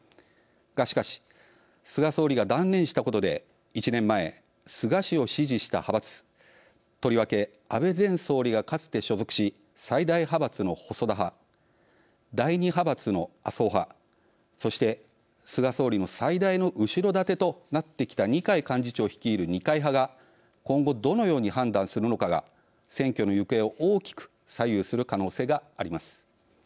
がしかし菅総理が断念したことで１年前、菅氏を支持した派閥とりわけ安倍前総理がかつて所属し最大派閥の細田派第２派閥の麻生派そして菅総理の最大の後ろ盾となってきた二階幹事長率いる二階派が今後、どのように判断するのかが選挙の行方を大きく左右する可能性があります。